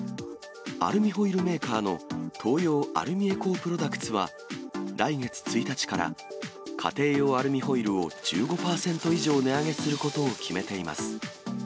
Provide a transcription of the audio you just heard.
アルミホイルメーカーの東洋アルミエコープロダクツは、来月１日から家庭用アルミホイルを１５％以上値上げすることを決めています。